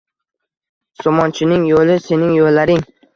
Somonchining yo’li —Sening yo’llaring